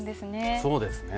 そうですね。